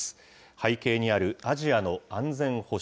背景にあるアジアの安全保障。